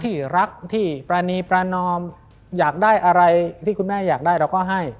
ที่รักที่ปรณีประนอมอยากได้อะไรที่คุณแม่อยากได้เราก็ให้